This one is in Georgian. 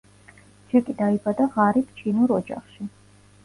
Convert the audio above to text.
ჯეკი დაიბადა ღარიბ ჩინურ ოჯახში.